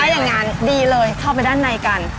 อย่างนั้นดีเลยเข้าไปด้านในกัน